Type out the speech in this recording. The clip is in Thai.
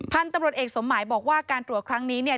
พันธุ์ตำรวจเอกสมหมายบอกว่าการตรวจครั้งนี้เนี่ย